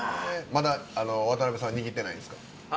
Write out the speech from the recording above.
まだ渡辺さんは握ってないですか？